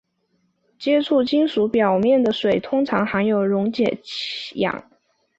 接触金属表面的水通常含有溶解氧。